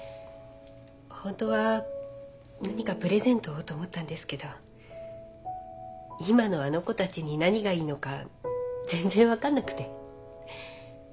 ホントは何かプレゼントをと思ったんですけど今のあの子たちに何がいいのか全然分かんなくて。